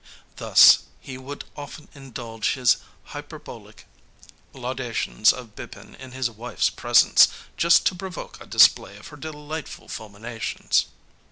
Thus, he would often indulge in hyperbolic laudations of Bipin in his wife's presence, just to provoke a display of her delightful fulminations.